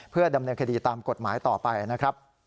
เพื่อดำเนินคดีตามกฎหมายต่อไปนะครับ